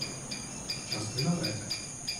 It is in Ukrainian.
Частина третя